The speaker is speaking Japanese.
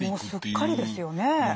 もうすっかりですよね。